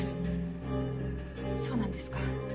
そうなんですか。